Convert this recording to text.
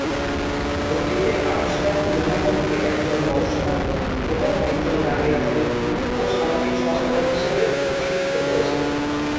বইটিতে, আর্মস্ট্রং মুহাম্মদকে একজন রহস্যবাদী এবং একজন জ্ঞানী রাজনৈতিক ও সামাজিক সংস্কারক হিসাবে চিত্রিত করেছেন।